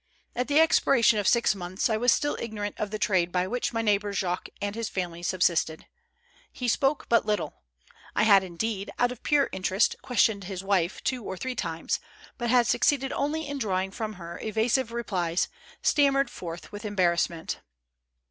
At the expiration of six months, I was still ignorant of the trade by which my neighbor Jacques and his family subsisted. He spoke but little. I had, indeed, out of pure interest, questioned his wife two or three times, but had succeeded only in drawing from her evasive replies, stammered forth with embarrassment.